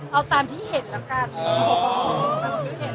เอาตามที่เห็นแล้วกัน